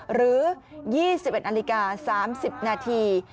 หรือ๒๑นาฬิกา๓๐นาที